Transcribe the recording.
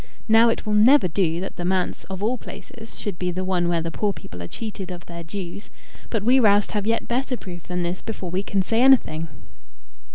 Now it will never do that the manse, of all places, should be the one where the poor people are cheated of their dues. But we roust have yet better proof than this before we can say anything."